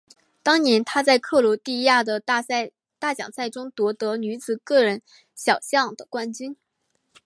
当年她在克罗地亚的大奖赛中夺得女子个人小项的冠军。